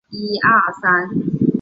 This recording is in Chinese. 扶桑町为爱知县北部的町。